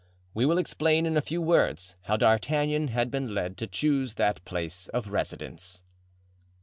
We will explain in a few words how D'Artagnan had been led to choose that place of residence.